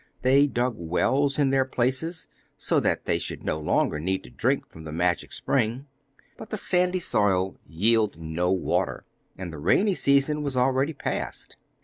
They dug wells in their places, so that they should no longer need to drink from the magic spring; but the sandy soil yielded no water, and the rainy season was already past.